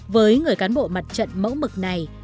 với người cán bộ mặt trận mẫu mực này